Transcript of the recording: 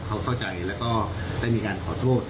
เขาเข้าใจแล้วก็ได้มีการขอโทษ